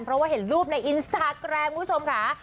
เพราะว่าเห็นรูปในอินสตาแกรมคุณผู้ชมค่ะ